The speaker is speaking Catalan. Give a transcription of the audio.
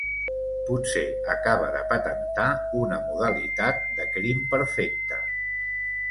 Potser acaba de patentar una modalitat de crim perfecte.